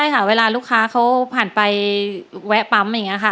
เขาผ่านไปแวะปั๊มอย่างงี้ค่ะ